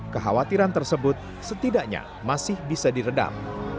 kekhawatiran tersebut setidaknya masih bisa diredam